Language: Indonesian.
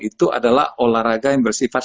itu adalah olahraga yang bersifat